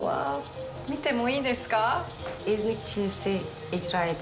うわあ、見てもいいですか？